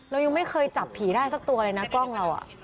เรายังไม่เคยจับผีได้สักตัวเลยนะกล้องเรา